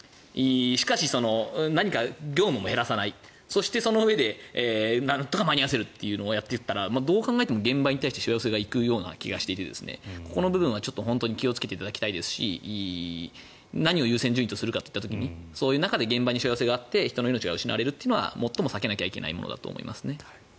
しかし、何か業務も減らさないそのうえでなんとか間に合わせるとやっていったらどうしても現場のほうにしわ寄せが行くような気がしていてここの部分は気をつけていただきたいですし何を優先順位とするかといった時にそういう中で現場にしわ寄せが行って人の命が失われるのは最も避けなきゃいけないですね。